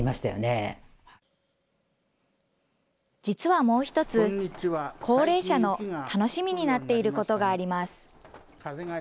実はもう１つ、高齢者の楽しみになっていることがあります。